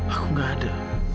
aku gak ada